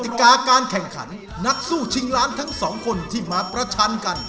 ติกาการแข่งขันนักสู้ชิงล้านทั้งสองคนที่มาประชันกัน